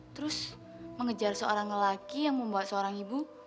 terus mengejar seorang lelaki yang membawa seorang ibu